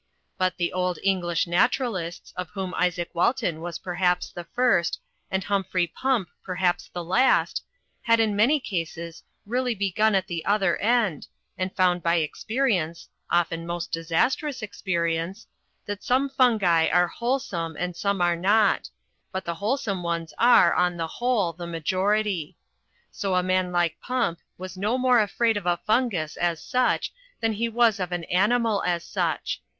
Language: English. But the old English Naturalists, of whom Isaac Walton was perhaps the first, and Htun phrey Pump perhaps the last, had in many cases really begun at the other end, and found by experience (often 136 VEGETARIANISM IN THE FOREST 137 most disastrous experience) that some fungi are wholesome and some are not ; but the wholesome ones are, on a whole, the majority. So a man like Pump was no more afraid of a fungus as such than he was of an animal as such.